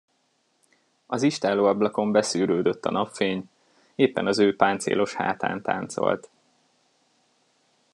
Az istállóablakon beszűrődött a napfény, éppen az ő páncélos hátán táncolt.